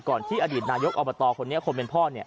ก่อนที่อดีตนายกเอามาต่อคนเป็นพ่อ